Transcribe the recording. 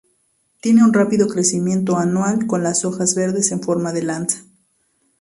Tiene un rápido crecimiento anual con las hojas verdes en forma de lanza.